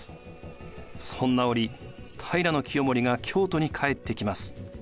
そんな折平清盛が京都に帰ってきます。